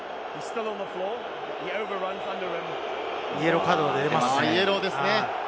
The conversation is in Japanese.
イエローカードが出ますね。